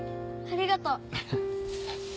ありがとう。